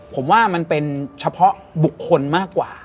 ผมว่ามันเป็นเฉพาะบุคคลมากกว่า